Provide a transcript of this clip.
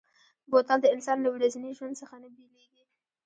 بوتل د انسان له ورځني ژوند څخه نه بېلېږي.